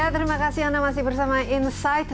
terima kasih anda masih bersama insight